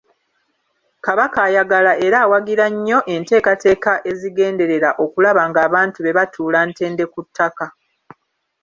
Kabaka ayagala era awagira nnyo enteekateeka ezigenderera okulaba ng’abantu be batuula ntende ku ttaka.